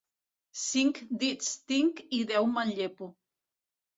Cinc dits tinc i deu me'n llepo.